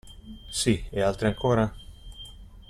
Sì; e altri ancora?